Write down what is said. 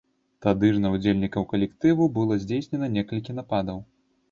Тады ж на ўдзельнікаў калектыву было здзейснена некалькі нападаў.